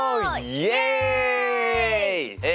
イエイ！え